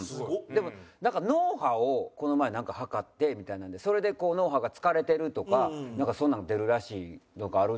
でも脳波をこの前なんか測ってみたいなのでそれでこう脳波が疲れてるとかなんかそんなの出るらしいのがあるんですけど。